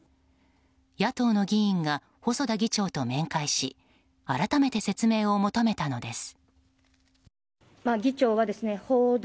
野党の議員が細田議長と面会し改めて説明を求めたのです。